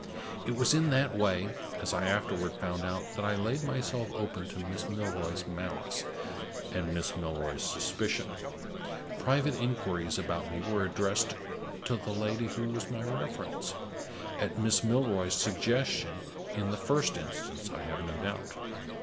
It was in that way, as I afterward found out, that I laid myself open to Miss Milroy's malice and Miss Milroy's suspicion. Private inquiries about me were addressed to the lady who was my reference at Miss Milroy's suggestion, in the first instance, I have no doubt.